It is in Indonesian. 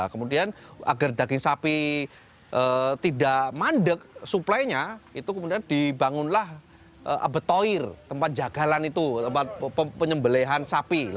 kemudian agar daging sapi tidak mandek suplainya itu kemudian dibangunlah abetoir tempat jagalan itu tempat penyembelehan sapi